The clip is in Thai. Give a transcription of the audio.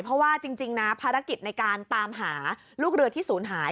เพราะว่าจริงนะภารกิจในการตามหาลูกเรือที่ศูนย์หาย